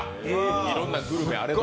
いろんなグルメがあれど。